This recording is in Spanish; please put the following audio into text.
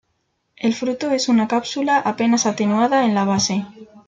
El fruto es una cápsula apenas atenuada en la base.